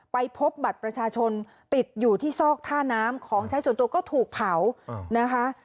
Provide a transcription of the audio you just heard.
ไปพบบัตรประชาชนติดอยู่ที่ซอกท่าน้ำของใช้ส่วนตัวก็ถูกเผานะคะ